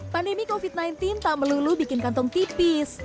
pandemi covid sembilan belas tak melulu bikin kantong tipis